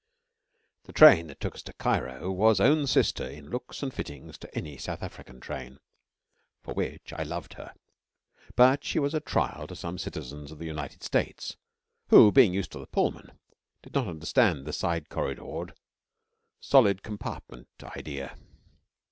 The train that took us to Cairo was own sister in looks and fittings to any South African train for which I loved her but she was a trial to some citizens of the United States, who, being used to the Pullman, did not understand the side corridored, solid compartment idea.